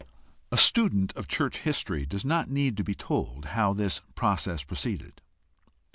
A student of church history does not need to be told how this process proceeded.